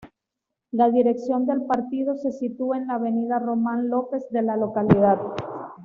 La dirección del partido se sitúa en la Avenida Román López de la localidad.